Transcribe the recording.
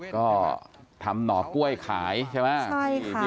ก็ทำหน่อกล้วยขายใช่ไหม